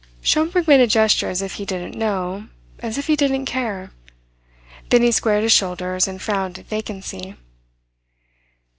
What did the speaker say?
Schomberg made a gesture as if he didn't know, as if he didn't care. Then he squared his shoulders and frowned at vacancy.